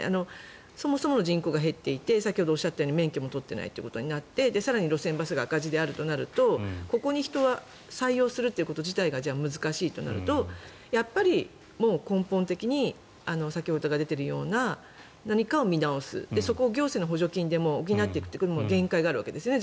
そもそも人口が減っていて先ほどおっしゃったように免許も取っていないとなって更に路線バスが赤字となるとここに人を採用するということ自体が難しいとなるとやっぱり根本的に先ほどから出ているような何かを見直すそこを行政の補助金で補っていくのも限界があるわけですね。